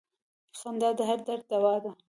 • خندا د هر درد دوا ده.